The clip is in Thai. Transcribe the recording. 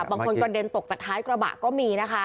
บางคนกระเด็นตกจากท้ายกระบะก็มีนะคะ